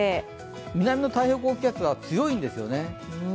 南の太平洋高気圧が強いんですよね。